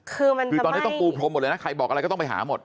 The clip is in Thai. คือมันคือตอนนี้ต้องปูพรมหมดเลยนะใครบอกอะไรก็ต้องไปหาหมด